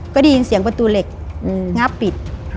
ก็ได้ยินเสียงประตูเหล็กงาบปิด